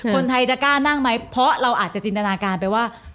คนไทยจะกล้านั่งไหมเพราะเราอาจจะจินตนาการไปว่า